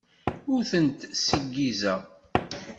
Ur tent-ssiggizeɣ.